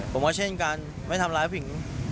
ผมว่าเช่นการไม่ทำร้ายผู้หญิง